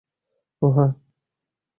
ওহ, হ্যা।